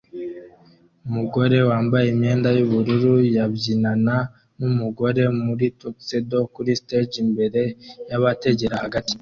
Umugore wambaye imyenda yubururu yabyinana numugabo muri tuxedo kuri stage imbere yabategera hagati